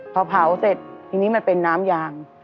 พอเผาเสร็จทีนี้มันเป็นน้ำยาง